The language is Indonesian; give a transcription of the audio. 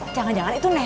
jangan jangan itu neneng